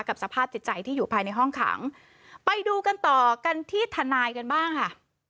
สภาพจิตใจที่อยู่ภายในห้องขังไปดูกันต่อกันที่ทนายกันบ้างค่ะ